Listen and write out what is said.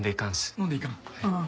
飲んでいかんうん。